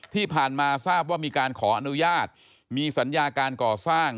ที่ผ่านมาทราบว่ามีการขออนุญาตมีสัญญาการก่อสร้าง